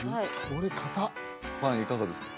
これ硬っパンいかがですか？